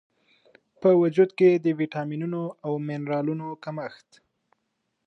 و وجود کې د ویټامینونو او منرالونو د کمښت